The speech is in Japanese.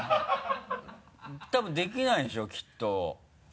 多分できないでしょきっと。